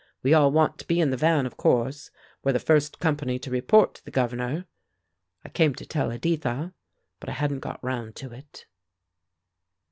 We all want to be in the van, of course; we're the first company to report to the Governor. I came to tell Editha, but I hadn't got round to it."